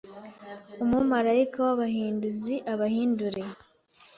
Umumarayika wAbahinduzi abahindure